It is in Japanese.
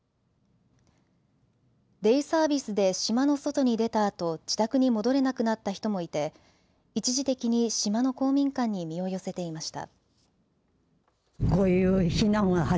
デイサービスで島の外に出たあと自宅に戻れなくなった人もいて一時的に島の公民館に身を寄せていました。